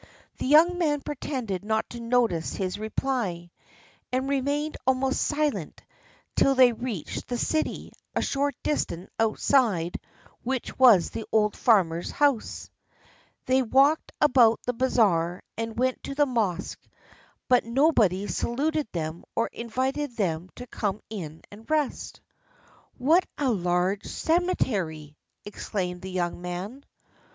The young man pretended not to notice his reply, and remained almost silent till they reached the city, a short distance outside which was the old farmer's house. They walked about the bazaar and went to the mosque, but nobody saluted them or invited them to come in and rest. "What a large cemetery!" exclaimed the young man.